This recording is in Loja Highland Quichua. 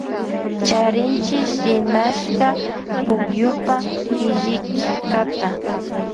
Charinchi shinashka pukyupa iñikillkata.